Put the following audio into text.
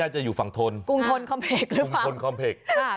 อ๋อคุณธนคอมเภกหรือเปล่า